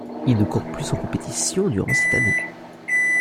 Il ne court plus en compétition durant cette année.